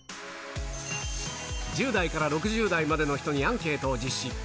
１０代から６０代までの人にアンケートを実施。